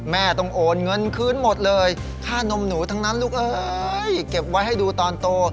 แม่ต้องโอนเงินคืนหมดเลยค่านมหนูทั้งนั้นลูกเอ้ยเก็บไว้ให้ดูตอนโต